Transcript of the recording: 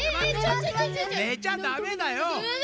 ねちゃダメだよ！